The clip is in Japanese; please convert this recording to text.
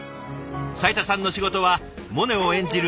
斉田さんの仕事はモネを演じる